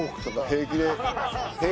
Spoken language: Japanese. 平気で。